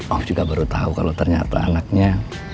om juga baru tau kalo ternyata anaknya